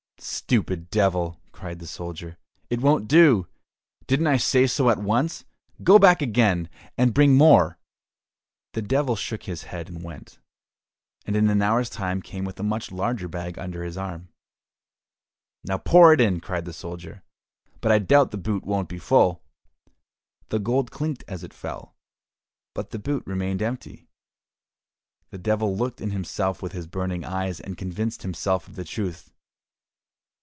"Stupid Devil," cried the soldier, "it won't do! Didn't I say so at once? Go back again, and bring more." The Devil shook his head, went, and in an hour's time came with a much larger bag under his arm. "Now pour it in," cried the soldier, "but I doubt the boot won't be full." The gold clinked as it fell, but the boot remained empty. The Devil looked in himself with his burning eyes, and convinced himself of the truth.